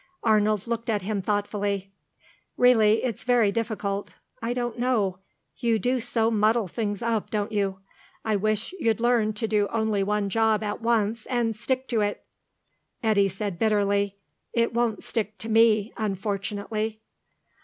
Arnold looked at him thoughtfully. "Really, it's very difficult. I don't know.... You do so muddle things up, don't you? I wish you'd learn to do only one job at once and stick to it." Eddy said bitterly, "It won't stick to me, unfortunately."